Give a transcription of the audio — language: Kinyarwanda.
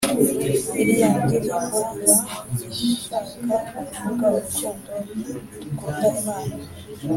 Iriya ndirimbo Iba ishaka kuvuga urukundo dukunda Imana